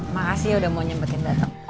makasih ya udah mau nyempetin datang